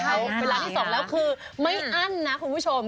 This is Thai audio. เวลาที่สองแล้วคือไม่อั้นนะคุณผู้ชม